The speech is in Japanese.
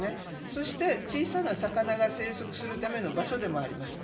そして小さな魚が生息するための場所でもあります。